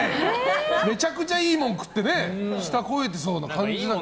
めちゃくちゃいいもの食って舌肥えてそうな感じなのに。